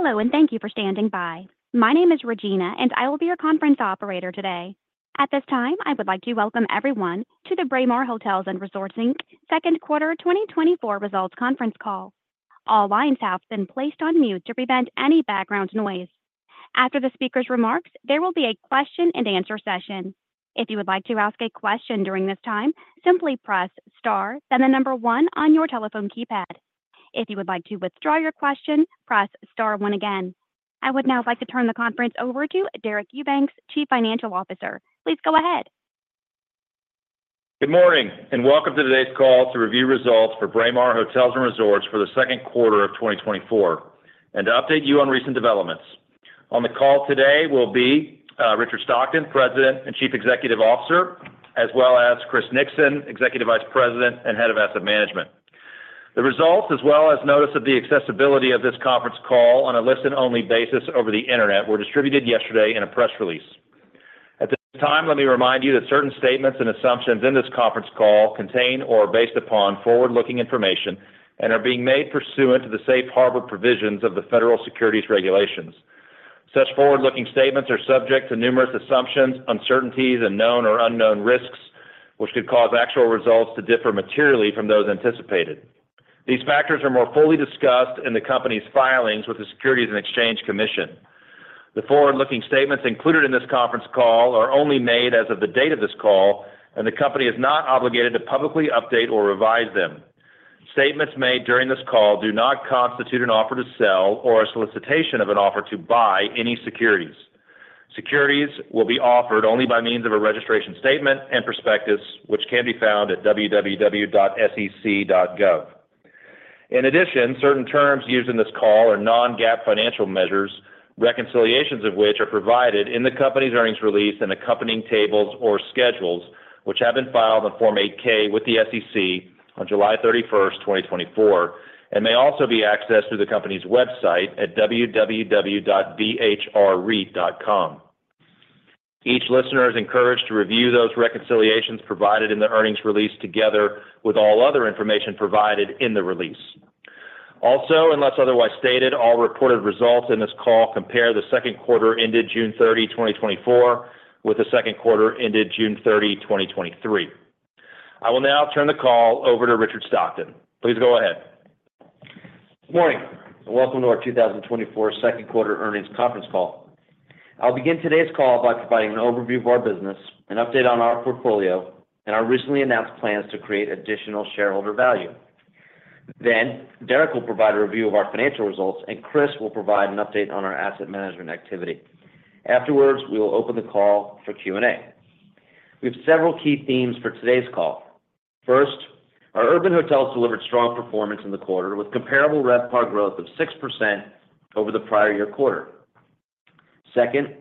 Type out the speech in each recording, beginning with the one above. Hello, and thank you for standing by. My name is Regina, and I will be your conference operator today. At this time, I would like to welcome everyone to the Braemar Hotels & Resorts Inc. second quarter 2024 results conference call. All lines have been placed on mute to prevent any background noise. After the speaker's remarks, there will be a question-and-answer session. If you would like to ask a question during this time, simply press star, then the number one on your telephone keypad. If you would like to withdraw your question, press star one again. I would now like to turn the conference over to Deric Eubanks, Chief Financial Officer. Please go ahead. Good morning, and welcome to today's call to review results for Braemar Hotels & Resorts for the second quarter of 2024, and to update you on recent developments. On the call today will be Richard Stockton, President and Chief Executive Officer, as well as Chris Nixon, Executive Vice President and Head of Asset Management. The results, as well as notice of the accessibility of this conference call on a listen-only basis over the internet, were distributed yesterday in a press release. At this time, let me remind you that certain statements and assumptions in this conference call contain or are based upon forward-looking information and are being made pursuant to the safe harbor provisions of the federal securities regulations. Such forward-looking statements are subject to numerous assumptions, uncertainties, and known or unknown risks, which could cause actual results to differ materially from those anticipated. These factors are more fully discussed in the company's filings with the Securities and Exchange Commission. The forward-looking statements included in this conference call are only made as of the date of this call, and the company is not obligated to publicly update or revise them. Statements made during this call do not constitute an offer to sell or a solicitation of an offer to buy any securities. Securities will be offered only by means of a registration statement and prospectus, which can be found at www.sec.gov. In addition, certain terms used in this call are non-GAAP financial measures, reconciliations of which are provided in the company's earnings release and accompanying tables or schedules, which have been filed on Form 8-K with the SEC on July 31st, 2024, and may also be accessed through the company's website at www.bhrre.com. Each listener is encouraged to review those reconciliations provided in the earnings release together with all other information provided in the release. Also, unless otherwise stated, all reported results in this call compare the second quarter ended June 30, 2024, with the second quarter ended June 30, 2023. I will now turn the call over to Richard Stockton. Please go ahead. Good morning, and welcome to our 2024 second quarter earnings conference call. I'll begin today's call by providing an overview of our business, an update on our portfolio, and our recently announced plans to create additional shareholder value. Then, Deric will provide a review of our financial results, and Chris will provide an update on our asset management activity. Afterwards, we will open the call for Q&A. We have several key themes for today's call. First, our urban hotels delivered strong performance in the quarter with comparable RevPAR growth of 6% over the prior year quarter. Second,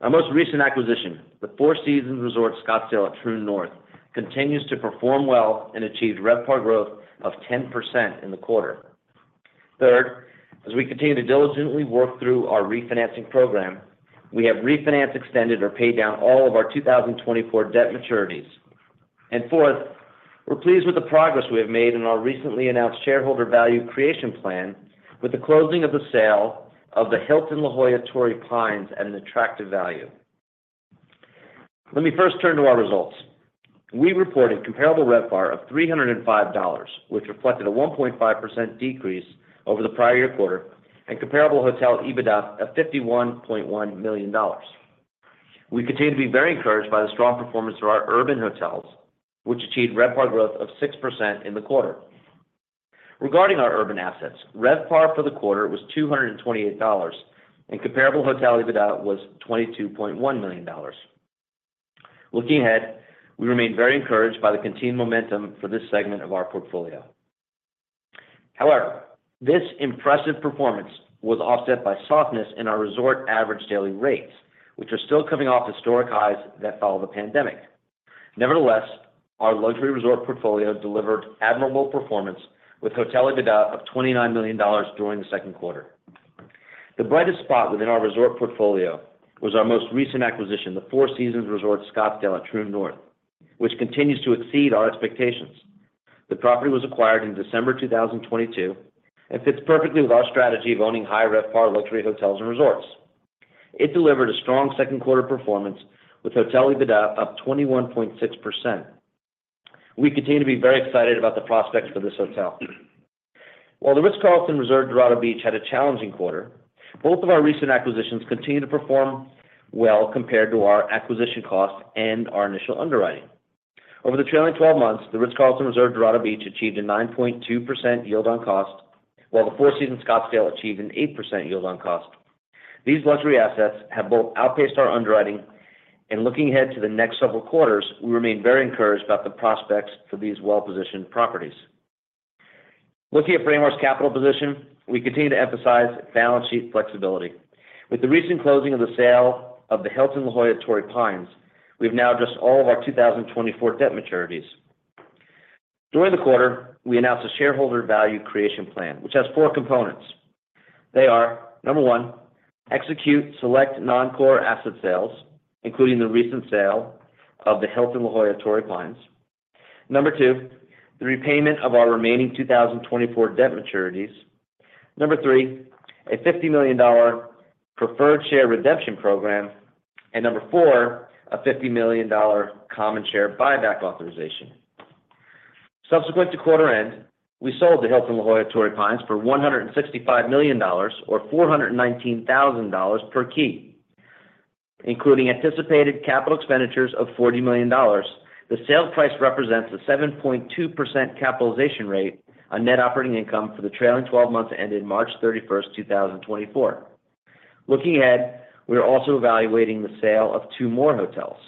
our most recent acquisition, the Four Seasons Resort Scottsdale at Troon North, continues to perform well and achieve RevPAR growth of 10% in the quarter. Third, as we continue to diligently work through our refinancing program, we have refinanced, extended, or paid down all of our 2024 debt maturities. Fourth, we're pleased with the progress we have made in our recently announced shareholder value creation plan with the closing of the sale of the Hilton La Jolla Torrey Pines at an attractive value. Let me first turn to our results. We reported comparable RevPAR of $305, which reflected a 1.5% decrease over the prior year quarter, and comparable hotel EBITDA of $51.1 million. We continue to be very encouraged by the strong performance of our urban hotels, which achieved RevPAR growth of 6% in the quarter. Regarding our Urban Assets, RevPAR for the quarter was $228, and comparable hotel EBITDA was $22.1 million. Looking ahead, we remain very encouraged by the continued momentum for this segment of our portfolio. However, this impressive performance was offset by softness in our resort average daily rates, which are still coming off historic highs that follow the pandemic. Nevertheless, our luxury resort portfolio delivered admirable performance with hotel EBITDA of $29 million during the second quarter. The brightest spot within our resort portfolio was our most recent acquisition, the Four Seasons Resort Scottsdale at Troon North, which continues to exceed our expectations. The property was acquired in December 2022 and fits perfectly with our strategy of owning high RevPAR luxury hotels and resorts. It delivered a strong second quarter performance with hotel EBITDA of 21.6%. We continue to be very excited about the prospects for this hotel. While the Ritz-Carlton Reserve Dorado Beach had a challenging quarter, both of our recent acquisitions continue to perform well compared to our acquisition costs and our initial underwriting. Over the trailing 12 months, the Ritz-Carlton Reserve Dorado Beach achieved a 9.2% yield on cost, while the Four Seasons Scottsdale achieved an 8% yield on cost. These luxury assets have both outpaced our underwriting, and looking ahead to the next several quarters, we remain very encouraged about the prospects for these well-positioned properties. Looking at Braemar's capital position, we continue to emphasize balance sheet flexibility. With the recent closing of the sale of the Hilton La Jolla Torrey Pines, we have now addressed all of our 2024 debt maturities. During the quarter, we announced a shareholder value creation plan, which has four components. They are, number one, execute select non-core asset sales, including the recent sale of the Hilton La Jolla Torrey Pines. Number two, the repayment of our remaining 2024 debt maturities. Number three, a $50 million preferred share redemption program. And number four, a $50 million common share buyback authorization. Subsequent to quarter end, we sold the Hilton La Jolla Torrey Pines for $165 million, or $419,000 per key. Including anticipated capital expenditures of $40 million, the sale price represents a 7.2% capitalization rate on net operating income for the trailing 12 months ended March 31st, 2024. Looking ahead, we are also evaluating the sale of two more hotels.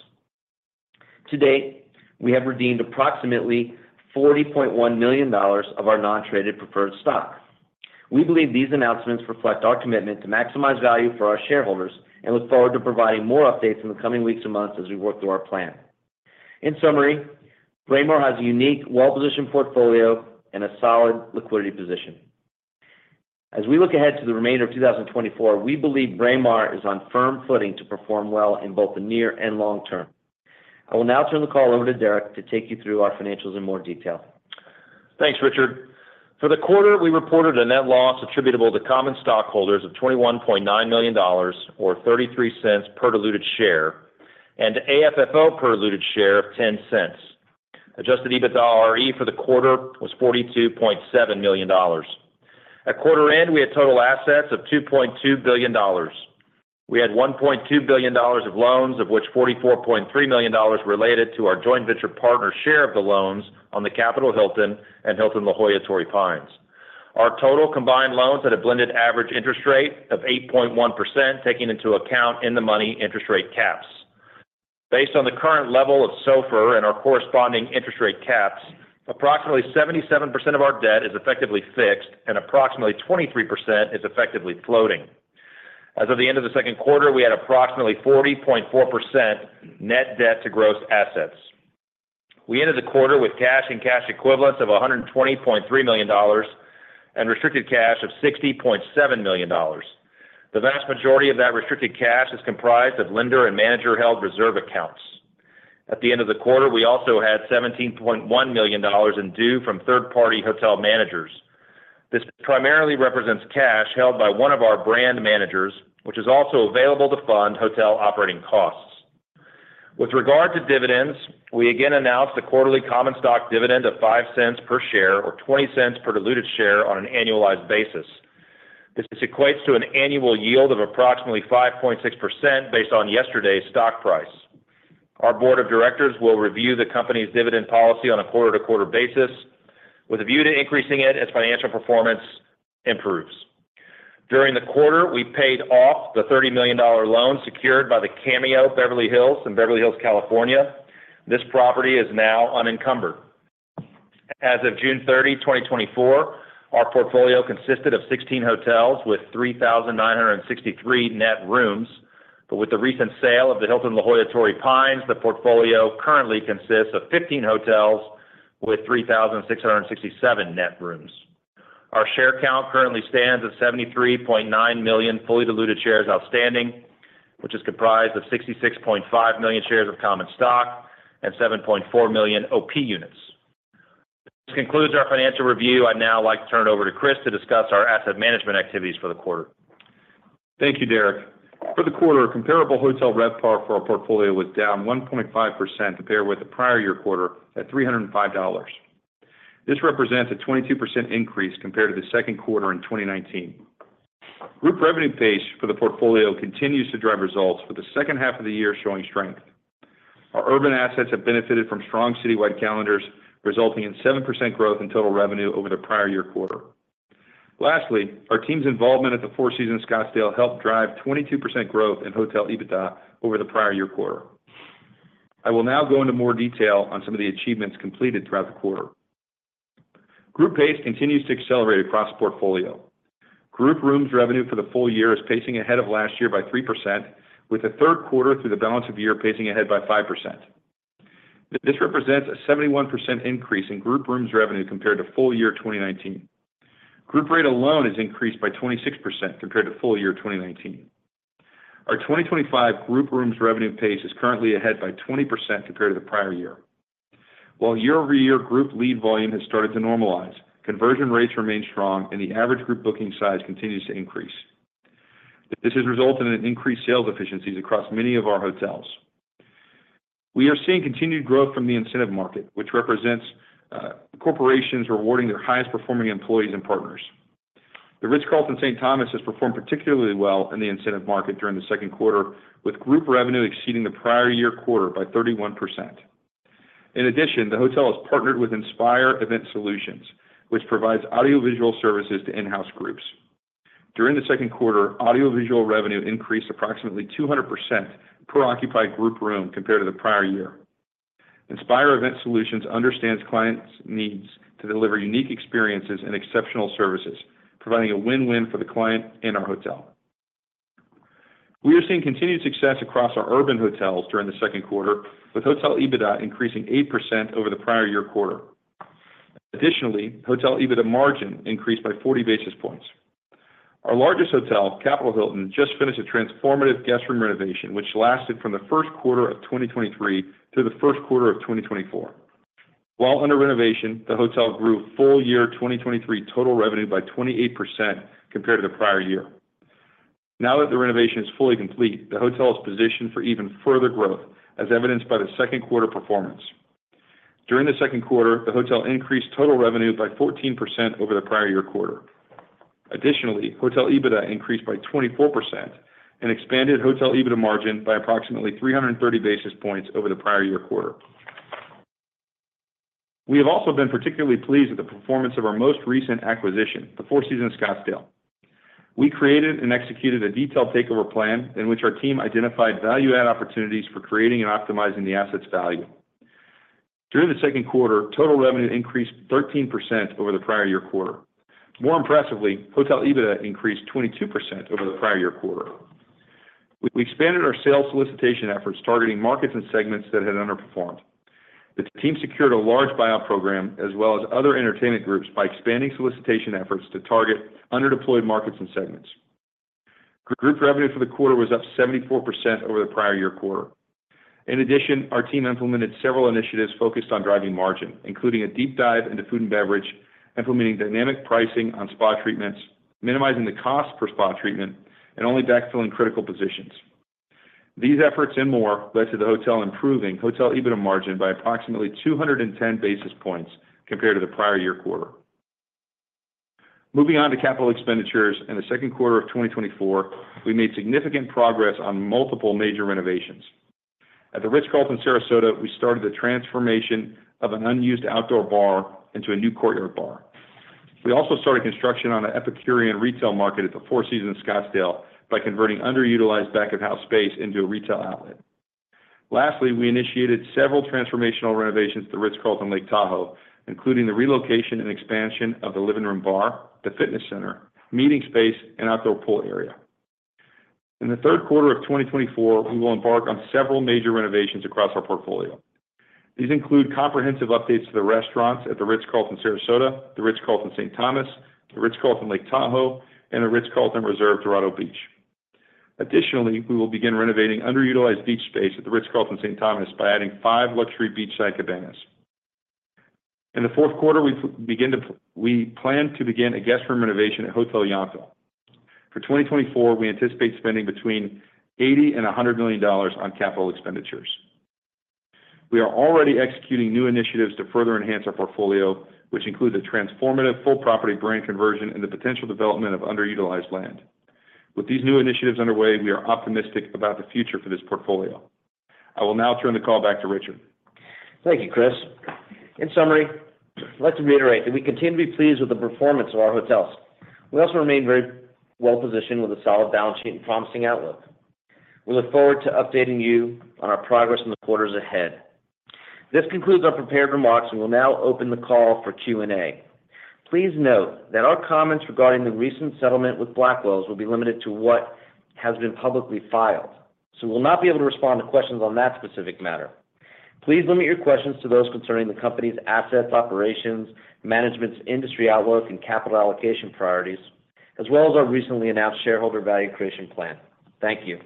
To date, we have redeemed approximately $40.1 million of our non-traded preferred stock. We believe these announcements reflect our commitment to maximize value for our shareholders and look forward to providing more updates in the coming weeks and months as we work through our plan. In summary, Braemar has a unique, well-positioned portfolio and a solid liquidity position. As we look ahead to the remainder of 2024, we believe Braemar is on firm footing to perform well in both the near and long term. I will now turn the call over to Deric to take you through our financials in more detail. Thanks, Richard. For the quarter, we reported a net loss attributable to common stockholders of $21.9 million, or $0.33 per diluted share, and AFFO per diluted share of $0.10. Adjusted EBITDAre for the quarter was $42.7 million. At quarter end, we had total assets of $2.2 billion. We had $1.2 billion of loans, of which $44.3 million related to our joint venture partner share of the loans on the Capital Hilton and Hilton La Jolla Torrey Pines. Our total combined loans had a blended average interest rate of 8.1%, taking into account in-the-money interest rate caps. Based on the current level of SOFR and our corresponding interest rate caps, approximately 77% of our debt is effectively fixed and approximately 23% is effectively floating. As of the end of the second quarter, we had approximately 40.4% net debt to gross assets. We ended the quarter with cash and cash equivalents of $120.3 million and restricted cash of $60.7 million. The vast majority of that restricted cash is comprised of lender and manager-held reserve accounts. At the end of the quarter, we also had $17.1 million in due from third-party hotel managers. This primarily represents cash held by one of our brand managers, which is also available to fund hotel operating costs. With regard to dividends, we again announced a quarterly common stock dividend of $0.05 per share, or $0.20 per diluted share on an annualized basis. This equates to an annual yield of approximately 5.6% based on yesterday's stock price. Our board of directors will review the company's dividend policy on a quarter-to-quarter basis with a view to increasing it as financial performance improves. During the quarter, we paid off the $30 million loan secured by the Cameo Beverly Hills in Beverly Hills, California. This property is now unencumbered. As of June 30, 2024, our portfolio consisted of 16 hotels with 3,963 net rooms, but with the recent sale of the Hilton La Jolla Torrey Pines, the portfolio currently consists of 15 hotels with 3,667 net rooms. Our share count currently stands at 73.9 million fully diluted shares outstanding, which is comprised of 66.5 million shares of common stock and 7.4 million OP units. This concludes our financial review. I'd now like to turn it over to Chris to discuss our asset management activities for the quarter. Thank you, Deric. For the quarter, comparable hotel RevPAR for our portfolio was down 1.5% compared with the prior year quarter at $305. This represents a 22% increase compared to the second quarter in 2019. Group revenue pace for the portfolio continues to drive results for the second half of the year, showing strength. Our urban assets have benefited from strong citywide calendars, resulting in 7% growth in total revenue over the prior year quarter. Lastly, our team's involvement at the Four Seasons Scottsdale helped drive 22% growth in hotel EBITDA over the prior year quarter. I will now go into more detail on some of the achievements completed throughout the quarter. Group pace continues to accelerate across the portfolio. Group rooms revenue for the full year is pacing ahead of last year by 3%, with the third quarter through the balance of year pacing ahead by 5%. This represents a 71% increase in group rooms revenue compared to full-year 2019. Group rate alone has increased by 26% compared to full-year 2019. Our 2025 group rooms revenue pace is currently ahead by 20% compared to the prior year. While year-over-year group lead volume has started to normalize, conversion rates remain strong, and the average group booking size continues to increase. This has resulted in increased sales efficiencies across many of our hotels. We are seeing continued growth from the incentive market, which represents corporations rewarding their highest-performing employees and partners. The Ritz-Carlton St. Thomas has performed particularly well in the incentive market during the second quarter, with group revenue exceeding the prior-year quarter by 31%. In addition, the hotel has partnered with Inspire Event Solutions, which provides audiovisual services to in-house groups. During the second quarter, audiovisual revenue increased approximately 200% per occupied group room compared to the prior year. Inspire Event Solutions understands clients' needs to deliver unique experiences and exceptional services, providing a win-win for the client and our hotel. We are seeing continued success across our urban hotels during the second quarter, with hotel EBITDA increasing 8% over the prior year quarter. Additionally, hotel EBITDA margin increased by 40 basis points. Our largest hotel, Capital Hilton, just finished a transformative guest room renovation, which lasted from the first quarter of 2023 through the first quarter of 2024. While under renovation, the hotel grew full year 2023 total revenue by 28% compared to the prior year. Now that the renovation is fully complete, the hotel is positioned for even further growth, as evidenced by the second quarter performance. During the second quarter, the hotel increased total revenue by 14% over the prior-year quarter. Additionally, hotel EBITDA increased by 24% and expanded hotel EBITDA margin by approximately 330 basis points over the prior-year quarter. We have also been particularly pleased with the performance of our most recent acquisition, the Four Seasons Scottsdale. We created and executed a detailed takeover plan in which our team identified value-add opportunities for creating and optimizing the asset's value. During the second quarter, total revenue increased 13% over the prior-year quarter. More impressively, hotel EBITDA increased 22% over the prior-year quarter. We expanded our sales solicitation efforts targeting markets and segments that had underperformed. The team secured a large buyout program as well as other entertainment groups by expanding solicitation efforts to target underdeployed markets and segments. Group revenue for the quarter was up 74% over the prior-year quarter. In addition, our team implemented several initiatives focused on driving margin, including a deep dive into food and beverage, implementing dynamic pricing on spa treatments, minimizing the cost per spa treatment, and only backfilling critical positions. These efforts and more led to the hotel improving hotel EBITDA margin by approximately 210 basis points compared to the prior year quarter. Moving on to capital expenditures, in the second quarter of 2024, we made significant progress on multiple major renovations. At the Ritz-Carlton Sarasota, we started the transformation of an unused outdoor bar into a new courtyard bar. We also started construction on an epicurean retail market at the Four Seasons Scottsdale by converting underutilized back-of-house space into a retail outlet. Lastly, we initiated several transformational renovations at the Ritz-Carlton Lake Tahoe, including the relocation and expansion of the living room bar, the fitness center, meeting space, and outdoor pool area. In the third quarter of 2024, we will embark on several major renovations across our portfolio. These include comprehensive updates to the restaurants at the Ritz-Carlton Sarasota, the Ritz-Carlton St. Thomas, the Ritz-Carlton Lake Tahoe, and the Ritz-Carlton Reserve Dorado Beach. Additionally, we will begin renovating underutilized beach space at the Ritz-Carlton St. Thomas by adding five luxury beachside cabanas. In the fourth quarter, we plan to begin a guest room renovation at Hotel Yountville. For 2024, we anticipate spending between $80 million and $100 million on capital expenditures. We are already executing new initiatives to further enhance our portfolio, which include the transformative full property brand conversion and the potential development of underutilized land. With these new initiatives underway, we are optimistic about the future for this portfolio. I will now turn the call back to Richard. Thank you, Chris. In summary, I'd like to reiterate that we continue to be pleased with the performance of our hotels. We also remain very well-positioned with a solid balance sheet and promising outlook. We look forward to updating you on our progress in the quarters ahead. This concludes our prepared remarks, and we'll now open the call for Q&A. Please note that our comments regarding the recent settlement with Blackwells will be limited to what has been publicly filed, so we will not be able to respond to questions on that specific matter. Please limit your questions to those concerning the company's assets, operations, management's industry outlook and capital allocation priorities, as well as our recently announced shareholder value creation plan. Thank you.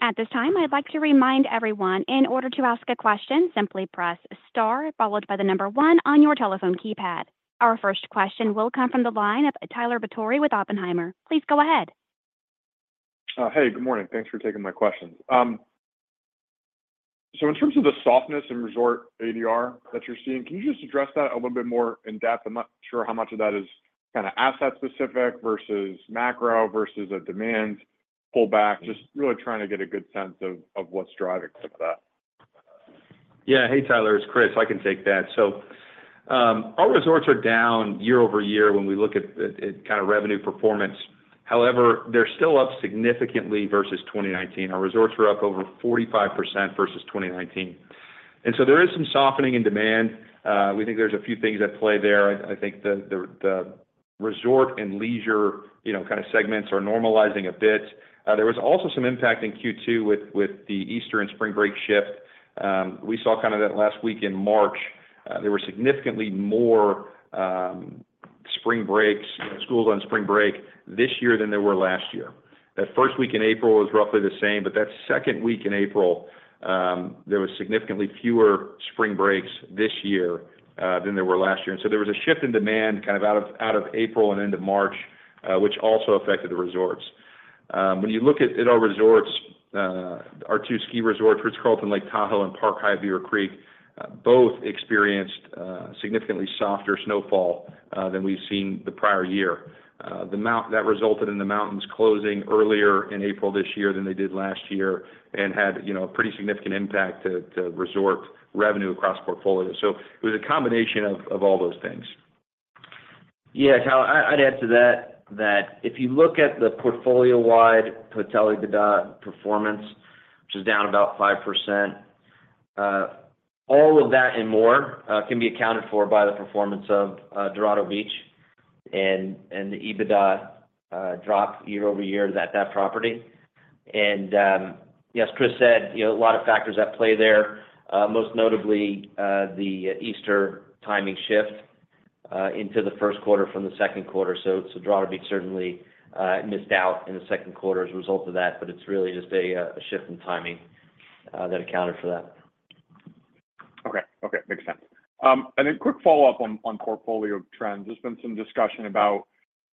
At this time, I'd like to remind everyone, in order to ask a question, simply press star followed by the number 1 on your telephone keypad. Our first question will come from the line of Tyler Batory with Oppenheimer. Please go ahead. Hey, good morning. Thanks for taking my questions. So in terms of the softness in resort ADR that you're seeing, can you just address that a little bit more in depth? I'm not sure how much of that is kind of asset-specific versus macro versus a demand pullback, just really trying to get a good sense of what's driving some of that. Yeah. Hey, Tyler. It's Chris. I can take that. So our resorts are down year-over-year when we look at kind of revenue performance. However, they're still up significantly versus 2019. Our resorts were up over 45% versus 2019. And so there is some softening in demand. We think there's a few things at play there. I think the resort and leisure kind of segments are normalizing a bit. There was also some impact in Q2 with the Easter and spring break shift. We saw kind of that last week in March. There were significantly more spring breaks, schools on spring break this year than there were last year. That first week in April was roughly the same, but that second week in April, there were significantly fewer spring breaks this year than there were last year. There was a shift in demand kind of out of April and into March, which also affected the resorts. When you look at our resorts, our two ski resorts, Ritz-Carlton Lake Tahoe and Park Hyatt Beaver Creek, both experienced significantly softer snowfall than we've seen the prior year. That resulted in the mountains closing earlier in April this year than they did last year and had a pretty significant impact to resort revenue across the portfolio. It was a combination of all those things. Yeah, Tyler, I'd add to that that if you look at the portfolio-wide hotel EBITDA performance, which is down about 5%, all of that and more can be accounted for by the performance of Dorado Beach and the EBITDA drop year-over-year at that property. And yes, Chris said a lot of factors at play there, most notably the Easter timing shift into the first quarter from the second quarter. So Dorado Beach certainly missed out in the second quarter as a result of that, but it's really just a shift in timing that accounted for that. Okay. Okay. Makes sense. And then quick follow-up on portfolio trends. There's been some discussion about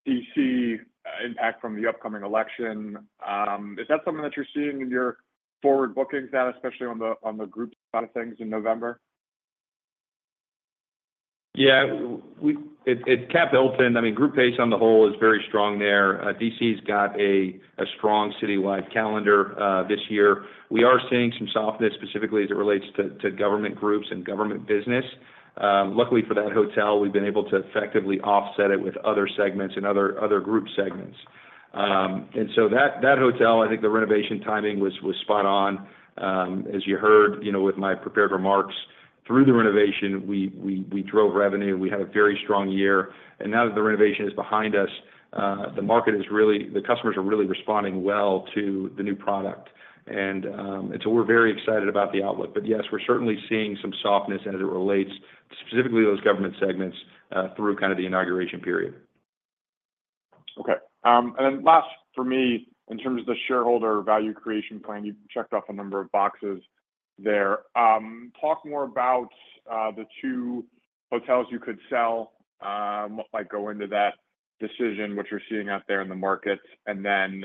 D.C. impact from the upcoming election. Is that something that you're seeing in your forward bookings now, especially on the group side of things in November? Yeah. At Capital Hilton, I mean, group pace on the whole is very strong there. D.C.'s got a strong citywide calendar this year. We are seeing some softness specifically as it relates to government groups and government business. Luckily for that hotel, we've been able to effectively offset it with other segments and other group segments. And so that hotel, I think the renovation timing was spot on. As you heard with my prepared remarks, through the renovation, we drove revenue. We had a very strong year. And now that the renovation is behind us, the market is really the customers are really responding well to the new product. And so we're very excited about the outlook. But yes, we're certainly seeing some softness as it relates to specifically those government segments through kind of the inauguration period. Okay. And then last for me, in terms of the shareholder value creation plan, you checked off a number of boxes there. Talk more about the two hotels you could sell, what might go into that decision, what you're seeing out there in the markets. And then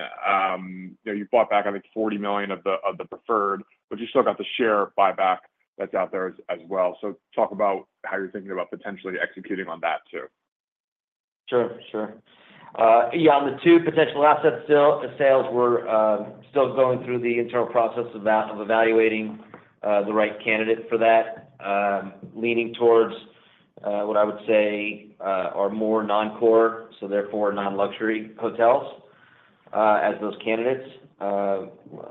you bought back, I think, $40 million of the preferred, but you still got the share buyback that's out there as well. So talk about how you're thinking about potentially executing on that too. Sure. Sure. Yeah. On the two potential asset sales, we're still going through the internal process of evaluating the right candidate for that, leaning towards what I would say are more non-core, so therefore non-luxury hotels as those candidates.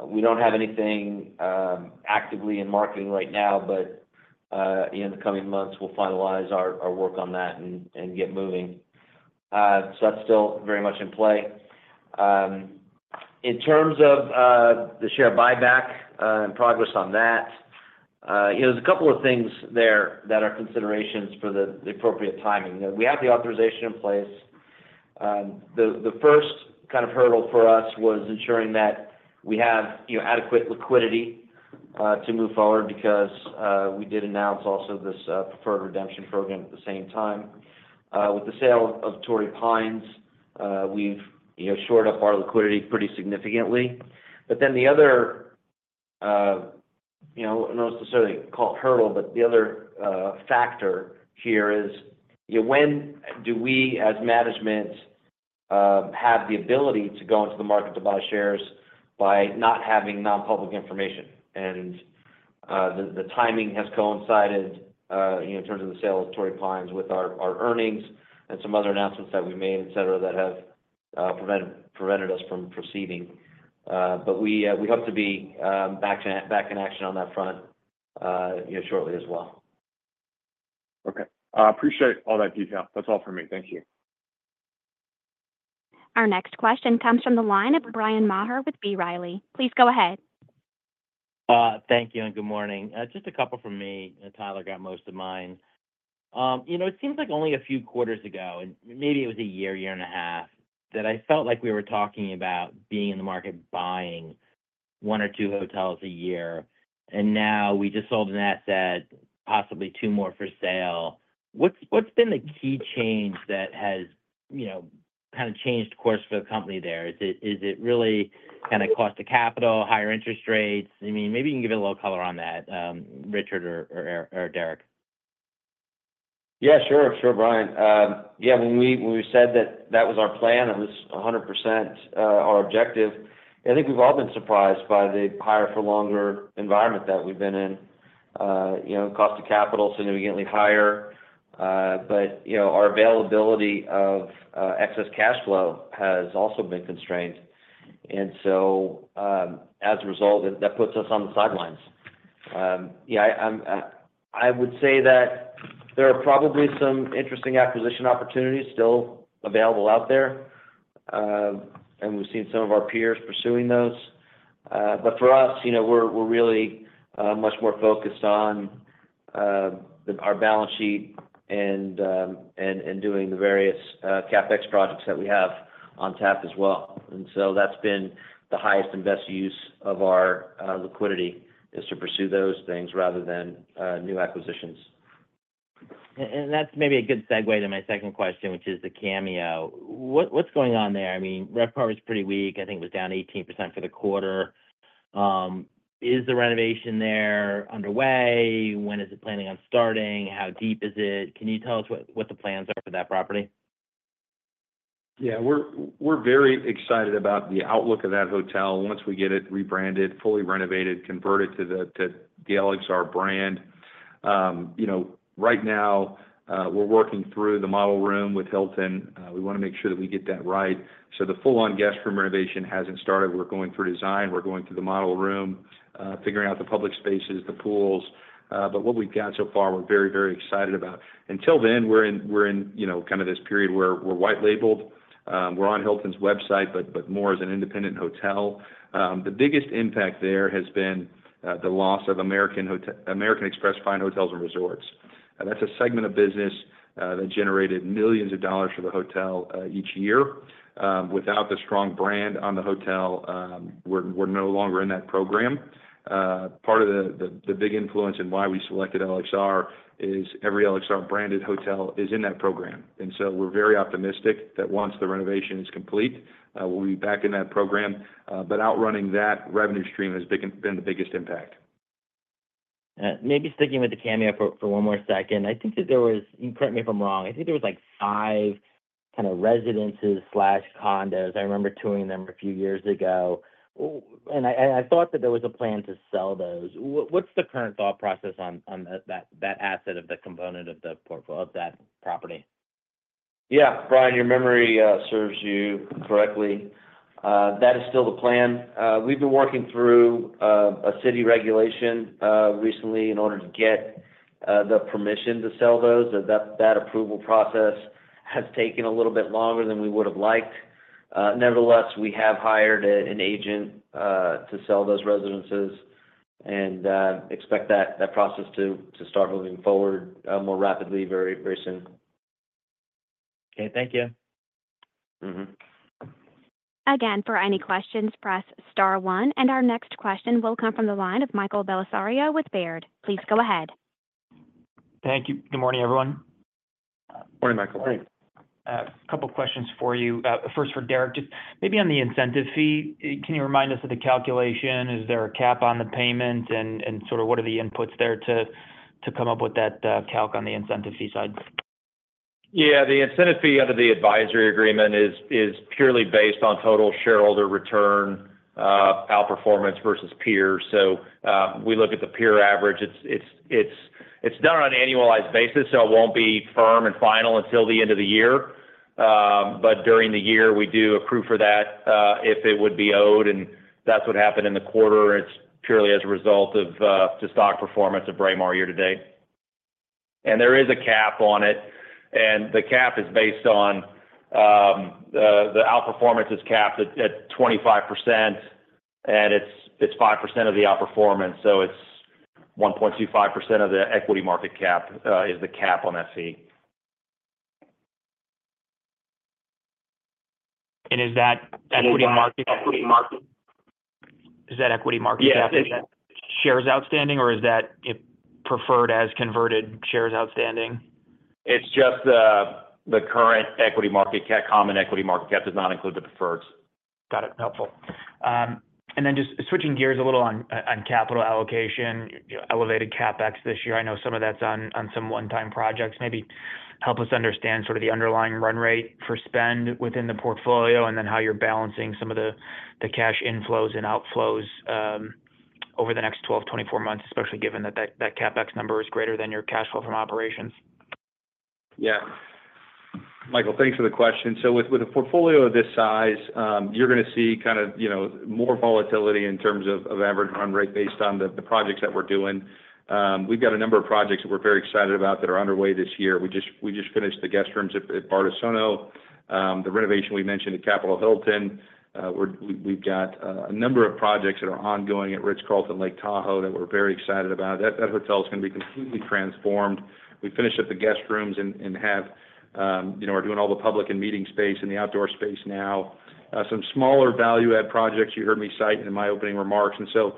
We don't have anything actively in marketing right now, but in the coming months, we'll finalize our work on that and get moving. So that's still very much in play. In terms of the share buyback and progress on that, there's a couple of things there that are considerations for the appropriate timing. We have the authorization in place. The first kind of hurdle for us was ensuring that we have adequate liquidity to move forward because we did announce also this preferred redemption program at the same time. With the sale of Torrey Pines, we've shored up our liquidity pretty significantly. But then the other—I don't necessarily call it hurdle, but the other factor here is when do we, as management, have the ability to go into the market to buy shares by not having non-public information. And the timing has coincided in terms of the sale of Torrey Pines with our earnings and some other announcements that we made, etc., that have prevented us from proceeding. But we hope to be back in action on that front shortly as well. Okay. Appreciate all that detail. That's all for me. Thank you. Our next question comes from the line of Bryan Maher with B. Riley. Please go ahead. Thank you and good morning. Just a couple from me. Tyler got most of mine. It seems like only a few quarters ago, and maybe it was a year, year and a half, that I felt like we were talking about being in the market buying one or two hotels a year. And now we just sold an asset, possibly two more for sale. What's been the key change that has kind of changed course for the company there? Is it really kind of cost of capital, higher interest rates? I mean, maybe you can give it a little color on that, Richard or Deric. Yeah. Sure. Sure, Bryan. Yeah. When we said that that was our plan, it was 100% our objective. I think we've all been surprised by the higher-for-longer environment that we've been in. Cost of capital significantly higher. But our availability of excess cash flow has also been constrained. And so as a result, that puts us on the sidelines. Yeah. I would say that there are probably some interesting acquisition opportunities still available out there. And we've seen some of our peers pursuing those. But for us, we're really much more focused on our balance sheet and doing the various CapEx projects that we have on tap as well. And so that's been the highest and best use of our liquidity is to pursue those things rather than new acquisitions. That's maybe a good segue to my second question, which is the Cameo. What's going on there? I mean, RevPAR is pretty weak. I think it was down 18% for the quarter. Is the renovation there underway? When is it planning on starting? How deep is it? Can you tell us what the plans are for that property? Yeah. We're very excited about the outlook of that hotel once we get it rebranded, fully renovated, converted to the LXR brand. Right now, we're working through the model room with Hilton. We want to make sure that we get that right. So the full-on guest room renovation hasn't started. We're going through design. We're going through the model room, figuring out the public spaces, the pools. But what we've got so far, we're very, very excited about. Until then, we're in kind of this period where we're white-labeled. We're on Hilton's website, but more as an independent hotel. The biggest impact there has been the loss of American Express Fine Hotels & Resorts. That's a segment of business that generated millions of dollars for the hotel each year. Without the strong brand on the hotel, we're no longer in that program. Part of the big influence in why we selected LXR is every LXR branded hotel is in that program. And so we're very optimistic that once the renovation is complete, we'll be back in that program. But outrunning that revenue stream has been the biggest impact. Maybe sticking with the Cameo for one more second, I think that there was, correct me if I'm wrong, I think there was like five kind of residences/condos. I remember touring them a few years ago. I thought that there was a plan to sell those. What's the current thought process on that asset of the component of the portfolio of that property? Yeah. Bryan, your memory serves you correctly. That is still the plan. We've been working through a city regulation recently in order to get the permission to sell those. That approval process has taken a little bit longer than we would have liked. Nevertheless, we have hired an agent to sell those residences and expect that process to start moving forward more rapidly very soon. Okay. Thank you. Again, for any questions, press star one. And our next question will come from the line of Michael Bellisario with Baird. Please go ahead. Thank you. Good morning, everyone. Morning, Michael. Morning. A couple of questions for you. First for Deric, just maybe on the incentive fee. Can you remind us of the calculation? Is there a cap on the payment? And sort of what are the inputs there to come up with that calc on the incentive fee side? Yeah. The incentive fee under the advisory agreement is purely based on total shareholder return, outperformance versus peers. So we look at the peer average. It's done on an annualized basis, so it won't be firm and final until the end of the year. But during the year, we do accrue for that if it would be owed. And that's what happened in the quarter. It's purely as a result of the stock performance of Braemar year-to-date. And there is a cap on it. And the cap is based on the outperformance is capped at 25%, and it's 5% of the outperformance. So it's 1.25% of the equity market cap is the cap on that fee. Is that equity market? Equity market. Is that equity market cap? Yeah. It is. Is that shares outstanding, or is that preferred as converted shares outstanding? It's just the current equity market cap. Common equity market cap does not include the preferreds. Got it. Helpful. And then just switching gears a little on capital allocation, elevated CapEx this year. I know some of that's on some one-time projects. Maybe help us understand sort of the underlying run rate for spend within the portfolio and then how you're balancing some of the cash inflows and outflows over the next 12-24 months, especially given that that CapEx number is greater than your cash flow from operations. Yeah. Michael, thanks for the question. So with a portfolio of this size, you're going to see kind of more volatility in terms of average run rate based on the projects that we're doing. We've got a number of projects that we're very excited about that are underway this year. We just finished the guest rooms at Bardessono, the renovation we mentioned at Capital Hilton. We've got a number of projects that are ongoing at Ritz-Carlton Lake Tahoe that we're very excited about. That hotel is going to be completely transformed. We finished up the guest rooms and are doing all the public and meeting space and the outdoor space now. Some smaller value-add projects you heard me cite in my opening remarks. And so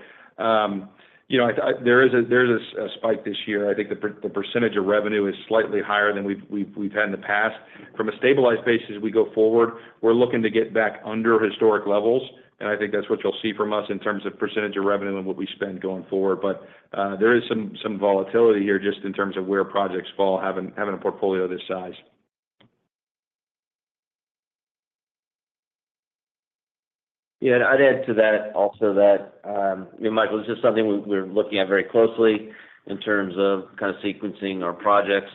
there is a spike this year. I think the percentage of revenue is slightly higher than we've had in the past. From a stabilized basis, as we go forward, we're looking to get back under historic levels. I think that's what you'll see from us in terms of percentage of revenue and what we spend going forward. There is some volatility here just in terms of where projects fall having a portfolio this size. Yeah. I'd add to that also that, Michael, this is something we're looking at very closely in terms of kind of sequencing our projects.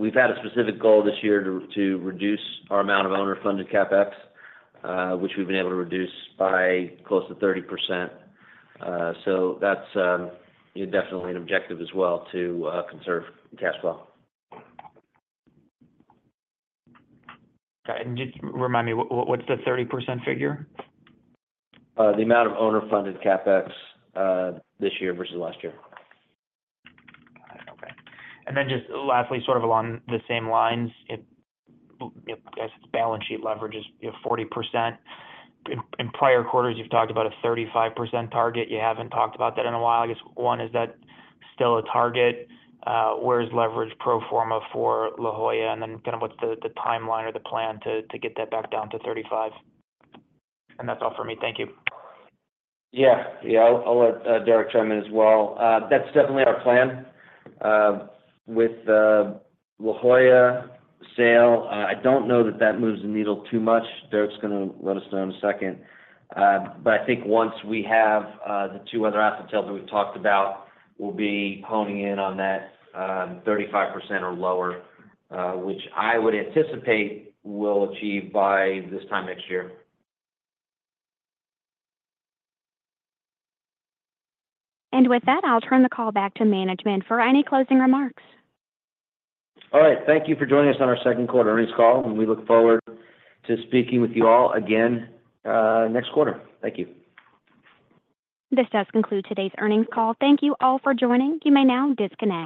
We've had a specific goal this year to reduce our amount of owner-funded CapEx, which we've been able to reduce by close to 30%. So that's definitely an objective as well to conserve cash flow. Okay. And just remind me, what's the 30% figure? The amount of owner-funded CapEx this year versus last year. Got it. Okay. And then just lastly, sort of along the same lines, I guess balance sheet leverage is 40%. In prior quarters, you've talked about a 35% target. You haven't talked about that in a while. I guess, one, is that still a target? Where's leverage pro forma for La Jolla? And then kind of what's the timeline or the plan to get that back down to 35%? And that's all for me. Thank you. Yeah. Yeah. I'll let Deric chime in as well. That's definitely our plan with La Jolla sale. I don't know that that moves the needle too much. Deric's going to let us know in a second. But I think once we have the two other asset sales that we've talked about, we'll be honing in on that 35% or lower, which I would anticipate we'll achieve by this time next year. With that, I'll turn the call back to management for any closing remarks. All right. Thank you for joining us on our second quarter earnings call. We look forward to speaking with you all again next quarter. Thank you. This does conclude today's earnings call. Thank you all for joining. You may now disconnect.